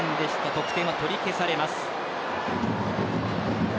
得点は取り消されます。